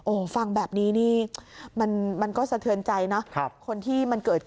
โอ้โหฟังแบบนี้นี่มันก็สะเทือนใจเนาะ